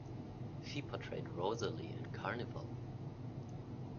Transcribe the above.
She portrayed Rosalie in Carnival!